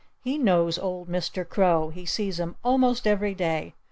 "He knows old Mr. Crow. He sees him almost every day.